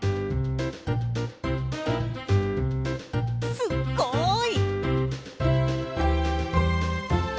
すっごい！